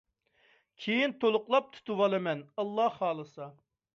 كېيىن تولۇقلاپ تۇتۇۋالىمەن ئاللاھ خالىسا!